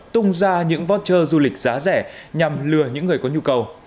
tung ra những voucher du lịch giá rẻ nhằm lừa những người có nhu cầu